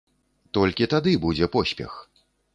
Толькі тады будзе поспех.